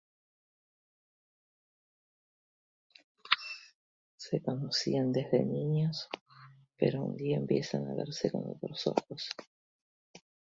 Se conocían desde niños pero un día empiezan a verse con otros ojos.